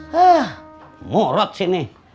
heeh murad sini